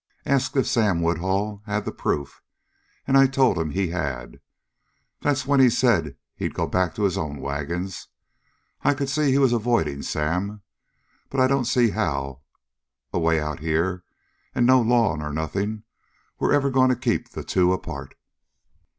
Asked if Sam Woodhull had the proof, and I told him he had. That was when he said he'd go back to his own wagons. I could see he was avoiding Sam. But I don't see how, away out here, and no law nor nothing, we're ever going to keep the two apart."